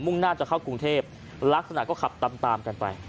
่งหน้าจะเข้ากรุงเทพลักษณะก็ขับตามตามกันไป